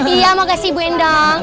iya makasih ibu indong